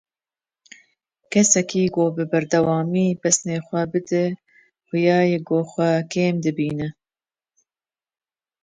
Kesekî ku bi berdewamî pesinê xwe bide, xuya ye ku xwe kêm dibîne.